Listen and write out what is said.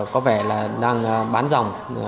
có vẻ là đang bán dòng